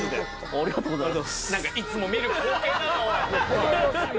ありがとうございます。